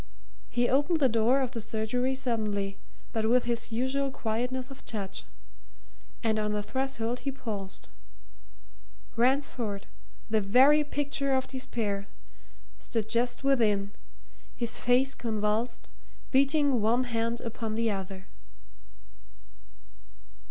He opened the door of the surgery suddenly, but with his usual quietness of touch. And on the threshold he paused. Ransford, the very picture of despair, stood just within, his face convulsed, beating one hand upon the other.